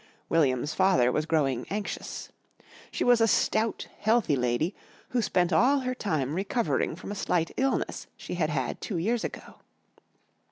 William's father was growing anxious. She was a stout, healthy lady, who spent all her time recovering from a slight illness she had had two years ago.